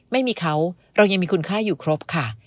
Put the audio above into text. ไม่มีเขาเรายังมีคุณค่าอยู่ครบค่ะ